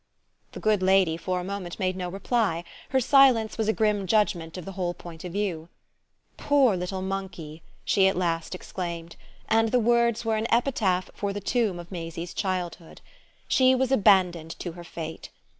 The good lady, for a moment, made no reply: her silence was a grim judgement of the whole point of view. "Poor little monkey!" she at last exclaimed; and the words were an epitaph for the tomb of Maisie's childhood. She was abandoned to her fate.